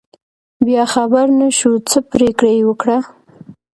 بیا خبر نشو، څه پرېکړه یې وکړه.